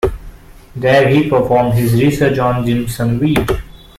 There he performed his research on jimsonweed.